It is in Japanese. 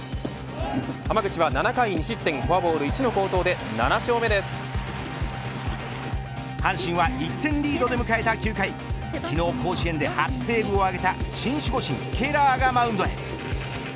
濱口は７回２失点フォアボール１の好投で阪神は１点リードで迎えた９回昨日、甲子園で初セーブを挙げた新守護神ケラーがマウンドへ。